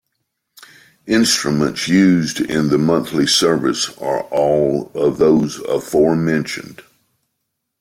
Instruments used in the monthly service are all of those aforementioned.